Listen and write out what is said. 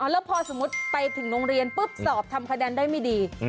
แล้วพอสมมุติไปถึงโรงเรียนปุ๊บสอบทำคะแนนได้ไม่ดี